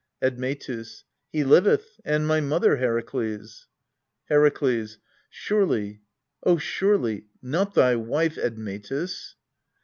Admetus. He liveth, and my mother, Herakles. Herakles. Surely, O surely, not thy wife, Admetus?